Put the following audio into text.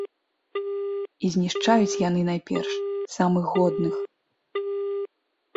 І знішчаюць яны найперш самых годных.